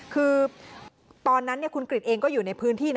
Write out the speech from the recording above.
คือตอนนั้นคุณกริจเองก็อยู่ในพื้นที่นะ